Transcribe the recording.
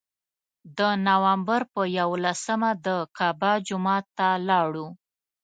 د نوامبر په یولسمه د قبا جومات ته لاړو.